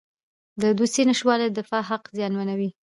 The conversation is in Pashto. د دوسیې نشتوالی د دفاع حق زیانمنوي.